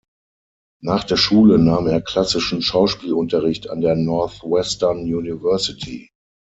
Nach der Schule nahm er klassischen Schauspielunterricht an der Northwestern University.